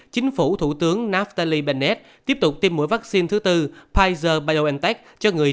chính phủ thủ tướng nathalie bennett tiếp tục tiêm mũi vaccine thứ bốn pfizer biontech cho người